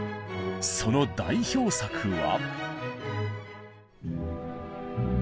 その代表作は。